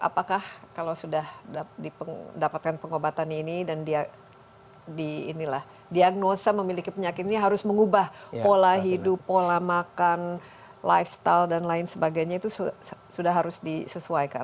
apakah kalau sudah didapatkan pengobatan ini dan diagnosa memiliki penyakit ini harus mengubah pola hidup pola makan lifestyle dan lain sebagainya itu sudah harus disesuaikan